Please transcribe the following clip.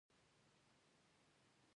دا قاعده په دوبي او ژمي دواړو کې یو شان ده